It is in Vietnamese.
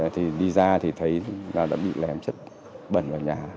thì đi ra thì thấy là đã bị lém chất bẩn vào nhà